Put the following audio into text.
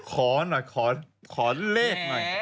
ขอหน่อยขอเลขหน่อย